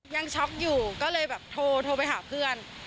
ช็อกอยู่ก็เลยแบบโทรไปหาเพื่อน